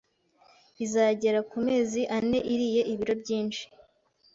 izagera ku mezi ane iriye ibilo byinshi